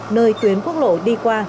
nơi tuyến quốc lộ đi qua